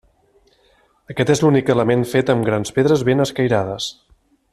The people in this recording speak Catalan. Aquest és l'únic element fet amb grans pedres ben escairades.